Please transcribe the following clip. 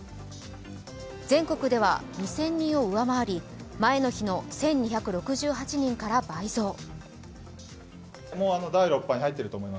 全国では２０００人を上回り、前の日の１２６８人から倍増。